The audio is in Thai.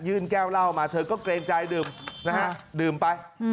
แก้วเหล้ามาเธอก็เกรงใจดื่มนะฮะดื่มไป